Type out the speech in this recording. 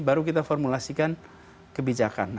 baru kita formulasikan kebijakan